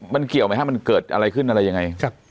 มันเกี่ยวไหมฮะมันเกิดอะไรขึ้นอะไรยังไง